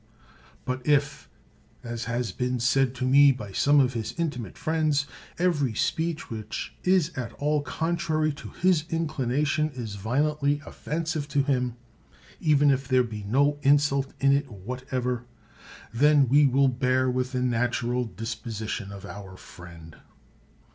But if, as has been said to me by some of his intimate friends, every speech which is at all contrary to his inclination is violently offen sive to him, even if there be no insult in it what ever — ^then we will bear with the natural disposi tion of our friend.